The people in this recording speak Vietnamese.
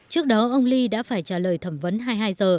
trước đó ông lee đã phải trả lời thẩm vấn hai mươi hai giờ